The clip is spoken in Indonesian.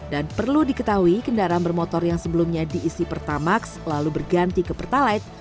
dan perlu diketahui kendaraan bermotor yang sebelumnya diisi pertamax lalu berganti ke pertalite